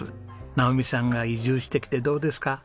直己さんが移住してきてどうですか？